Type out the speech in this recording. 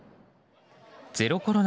ゼロコロナ